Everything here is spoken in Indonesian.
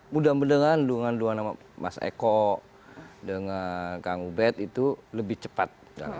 mudah mudahan dengan dua nama mas eko dengan kang ubed itu lebih cepat